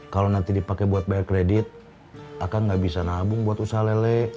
kalau nanti dipakai buat bayar kredit akan nggak bisa nabung buat usaha lele